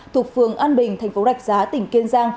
thuộc phường an bình tp đạch giá tỉnh kiên gia